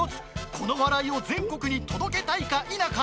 この笑いを全国に届けたいか否か。